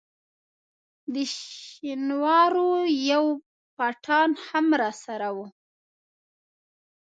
د شینوارو یو پټان هم راسره وو.